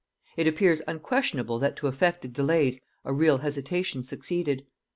It appears unquestionable that to affected delays a real hesitation succeeded.